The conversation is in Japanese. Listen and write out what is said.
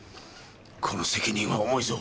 この責任は重いぞ。